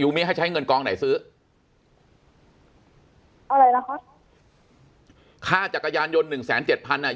ยูมิให้ใช้เงินกองไหนซื้อเอาอะไรล่ะคะค่าจักรยานยนต์หนึ่งแสนเจ็ดพันอ่ะ